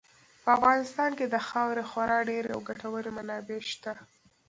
په افغانستان کې د خاورې خورا ډېرې او ګټورې منابع شته.